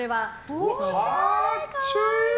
おしゃれ！